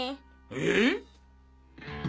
えっ？